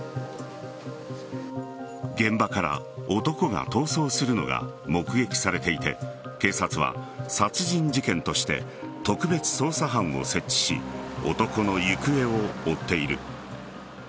現場から男が逃走するのが目撃されていて警察は殺人事件として特別捜査班を設置し男の行方を追っている。